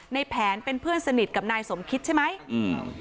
ในแผนเป็นเพื่อนสนิทกับนายสมคิดใช่ไหมอืม